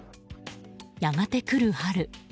やがて来る春。